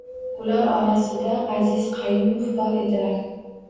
Ular orasida Aziz Qayumov bor edilar